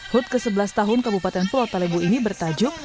hut ke sebelas tahun kabupaten pulau palebu ini bertajuk